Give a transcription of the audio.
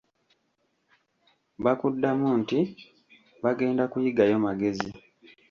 Bakuddamu nti; bagenda kuyigayo magezi.